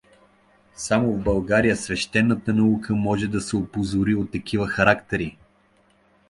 Само в България свещената наука може да се опозори от такива характери!